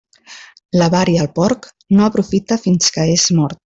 L'avar i el porc, no aprofita fins que és mort.